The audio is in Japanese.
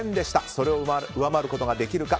それを上回ることができるか。